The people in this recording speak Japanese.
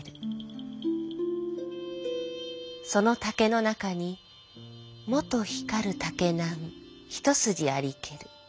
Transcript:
その竹の中にもと光る竹なむ一筋ありける。